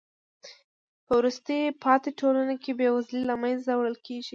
په وروسته پاتې ټولنو کې بې وزلۍ له منځه وړل کیږي.